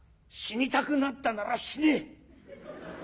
「死にたくなったなら死ね！」。